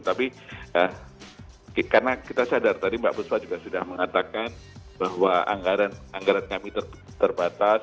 tapi karena kita sadar tadi mbak buswa juga sudah mengatakan bahwa anggaran kami terbatas